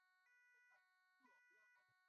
林鹏飞为雍正八年庚戌科二甲进士。